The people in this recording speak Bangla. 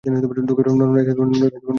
নড়াচড়া কোরো না।